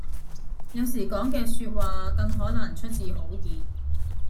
有時講嘅說話更可能出自好意